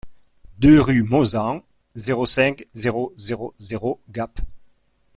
deux rue Mauzan, zéro cinq, zéro zéro zéro Gap